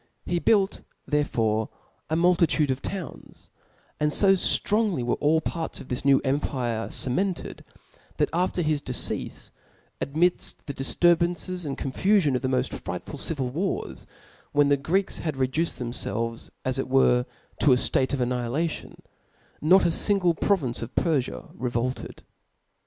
He built therefore a n^ul "^"^"^ titude of towns 5 and fo ftrongly were all the parts that of of this new empire cemented, that after his deceafe, conditi* amidft the difturbances and confufion of the moft on« frightful civil wars, when the Greeks had reduced law of the themfelves, as it were, to a ftate of annihilation, pnj^ards, not a angle provmce of Perua revolted.